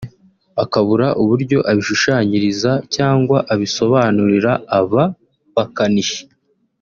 akabura uburyo abishushanyiriza cyangwa abisobanurira aba bakanishi